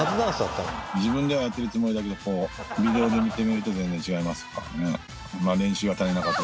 自分ではやってるつもりだけどビデオで見てみると全然違いますからね。